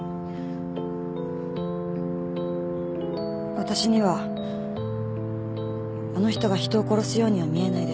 私にはあの人が人を殺すようには見えないです。